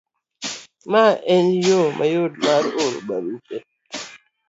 Mae en yo mayot kendo mapiyo mar oro barupe,